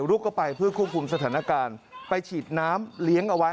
ลุกเข้าไปเพื่อควบคุมสถานการณ์ไปฉีดน้ำเลี้ยงเอาไว้